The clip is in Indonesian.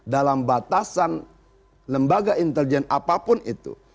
dalam batasan lembaga intelijen apapun itu